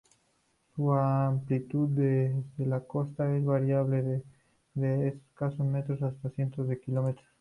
Su amplitud desde la costa es variable, desde escasos metros hasta cientos de kilómetros.